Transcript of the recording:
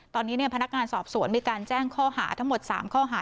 ตอนนี้พนักงานสอบสวนมีการแจ้งข้อหาทั้งหมด๓ข้อหา